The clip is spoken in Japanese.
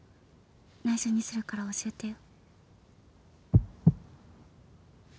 内緒にするから教えてよ。